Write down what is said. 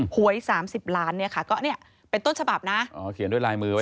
หวยสามสิบล้านเนี่ยค่ะก็เนี่ยเป็นต้นฉบับนะอ๋อเขียนด้วยลายมือไว้